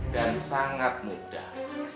dan sangat mudah